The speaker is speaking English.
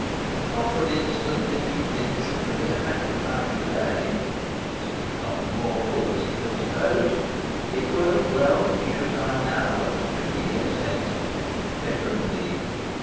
Not for an instant did he flinch from the mere fact of dying to day. Since he was not immortal, as he had supposed, it were as well he should die now as fifty years hence. Better, indeed.